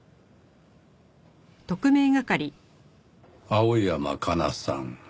青山加奈さん